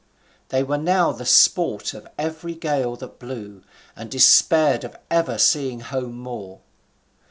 They were now the sport of every gale that blew, and despaired of ever seeing home more.